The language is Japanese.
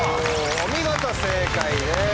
お見事正解です。